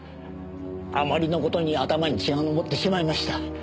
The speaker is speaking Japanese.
あまりの事に頭に血が上ってしまいました。